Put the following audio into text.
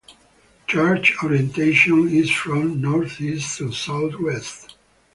Church orientation is from northeast to southwest.